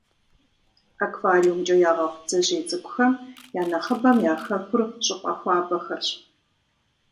Аквариумкӏэ ягъэхъу бдзэжьей цӏыкӏухэм я нэхъыбэм я хэкур щӏыпӏэ хуабэхэрщ.